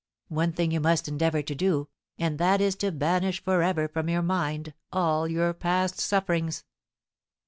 One thing you must endeavour to do, and that is to banish for ever from your mind all your past sufferings."